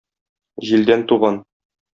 Җилдән туган.